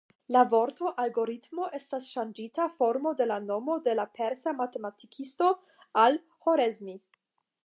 La vorto "algoritmo" estas ŝanĝita formo de la nomo de la persa matematikisto Al-Ĥorezmi.